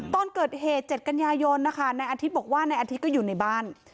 ตอนเกิดเหตุ๗กันยายนนะคะนายอาทิตย์บอกว่านายอาทิตย์ก็อยู่ในบ้าน